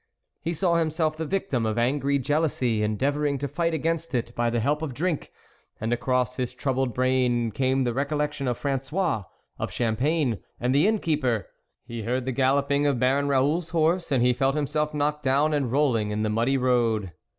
He saw himself the victim of angry jealousy, endeavouring to fight against it by the help of drink, and across his troubled brain came the recollection of Frangois, of Champagne, and the Inn keeper ; he heard the galloping of Baron Raoul's horse, and he felt himself knocked down and rolling in the muddy road.